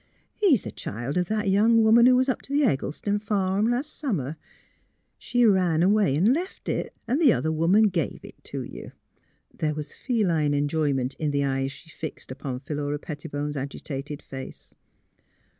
" He's the child of that young woman who was up to the Eggleston farm last summer. She ran away and left it, an' the other woman gave it to you." There was feline enjoyment in the eyes she fixed upon Phihira Pettibone 's agitated face.